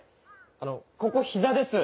あのここ膝です